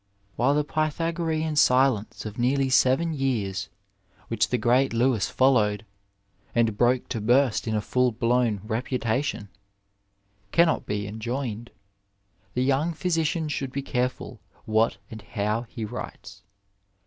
While the Pytha gorean silence of nearly seven years, which the great Louis followed (and broke to burst into a full blown reputation) cannot be enjoined, the young physician dhould be careful what and how he writes.